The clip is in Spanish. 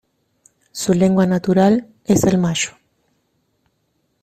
Su lengua natural es el Mayo.